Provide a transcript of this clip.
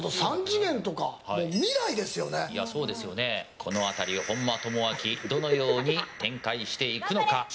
この辺りを本間朋晃どのように展開していくのか。